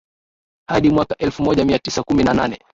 hadi mwaka elfu moja mia tisa kumi na nane